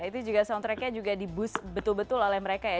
itu juga soundtrack nya juga dibuast betul betul oleh mereka ya